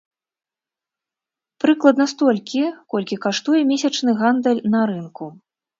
Прыкладна столькі, колькі каштуе месячны гандаль на рынку.